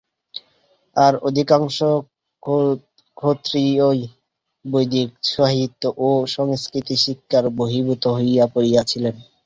আর অধিকাংশ ক্ষত্রিয়ই বৈদিক সাহিত্য ও সংস্কৃত শিক্ষার বহির্ভূত হইয়া পড়িয়াছিলেন।